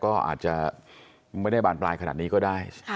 ก็อาจจะไม่ได้บานปลายขนาดนี้ก็ได้